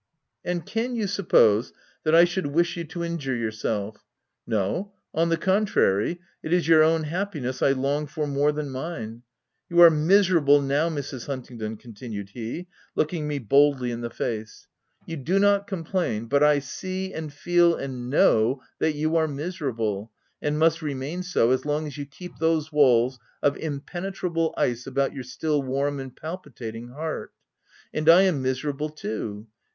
" And can you suppose that I should wish you to injure yourself? — No; on the contrary, it is your own happiness I long for more than mine. You are miserable now, Mrs. Hunting doit," continued he, looking me boldly in the OF WJLDFELL HALL. 355 face. " You do not complain, but I see — and feel — and know that you are miserable — and must remain so, as long as you keep those walls of impenetrable ice about your still warm and palpitating heart ;— and I am miserable too.